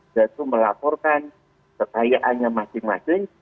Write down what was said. yaitu melaporkan kekayaannya masing masing